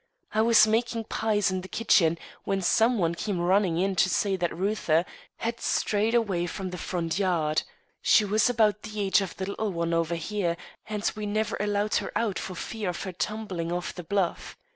I was making pies in the kitchen, when some one came running in to say that Reuther had strayed away from the front yard. She was about the age of the little one over there, and we never allowed her out alone for fear of her tumbling off the bluff.